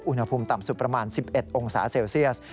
อุณหภูมิต่ำสุดประมาณ๑๑องศาเซลเซียส